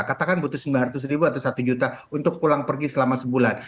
katakan butuh sembilan ratus ribu atau satu juta untuk pulang pergi selama sebulan